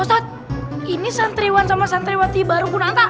ustaz ini santriwan sama santriwati baru kunanta